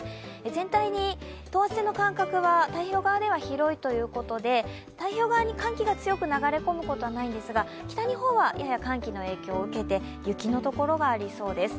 全体に等圧線の間隔は太平洋側では広いということで太平洋側に寒気が強く流れ込むことはないんですが北日本はやや寒気の影響を受けて雪になりそうです。